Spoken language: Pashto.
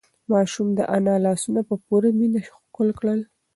ماشوم د انا لاسونه په پوره مینه ښکل کړل.